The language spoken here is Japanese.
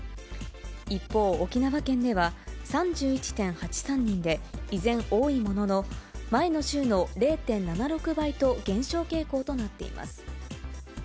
一方、沖縄県では３１．８３人で依然多いものの、前の週の０．７６倍と減少傾向となっています。